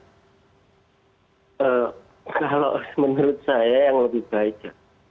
kalau menurut saya yang lebih baik ya